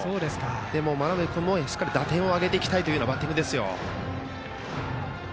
でも真鍋君もしっかり打点を挙げていきたいというバッティングでした。